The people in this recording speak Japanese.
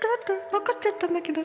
分かっちゃったんだけど。